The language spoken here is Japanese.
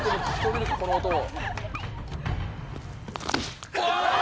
この音を。